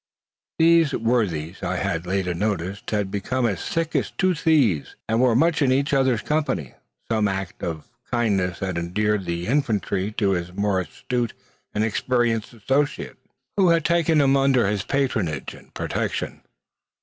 These worthies, I had lately noticed, had become "as thick as two thieves," and were much in each other's company. Some act of kindness had endeared the "infantry" to his more astute and experienced associate, who had taken him under his patronage and protection.